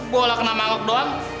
bola kena manggok doang